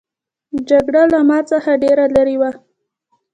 جګړه له ما څخه ډېره لیري وه.